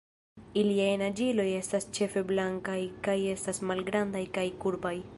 Iliaj naĝiloj estas ĉefe blankaj kaj estas malgrandaj kaj kurbaj.